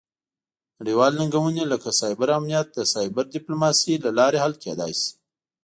نړیوالې ننګونې لکه سایبر امنیت د سایبر ډیپلوماسي له لارې حل کیدی شي